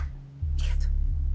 ありがとう。